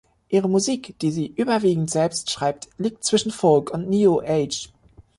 Ihre Musik, die sie überwiegend selbst schreibt, liegt zwischen Folk und New Age.